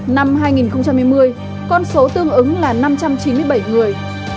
năm hai nghìn hai mươi con số tương ứng là năm trăm chín mươi bảy người